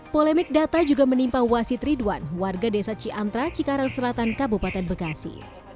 polemik data juga menimpa wasit ridwan warga desa ciamtra cikarang selatan kabupaten bekasi